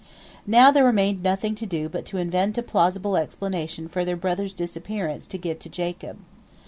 Now there remained nothing to do but invent a plausible explanation for their brother's disappearance to give to Jacob.